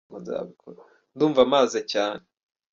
Ndumva mpaze cyane.